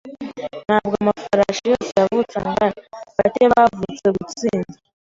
Ntabwo amafarashi yose yavutse angana. Bake bavutse gutsinda.